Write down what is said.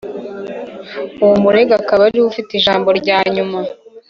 ubu umurega akaba ariwe ufite ijambo ryanyuma